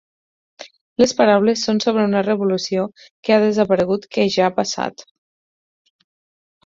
Les paraules són sobre una revolució que ha desaparegut, que ja ha passat.